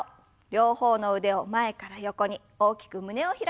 両方の腕を前から横に大きく胸を開きます。